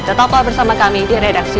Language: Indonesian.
tetap tonton bersama kami di jalan jalan menarik